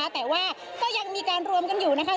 แต่ว่าก็ยังมีการรวมกันอยู่นะคะ